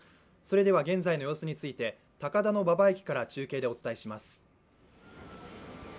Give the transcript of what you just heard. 現在の様子について高田馬場駅から中継でお伝えします。